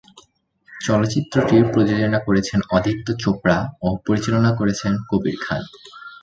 চলচ্চিত্রটির প্রযোজনা করেছেন আদিত্য চোপড়া ও পরিচালনা করেছেন কবির খান।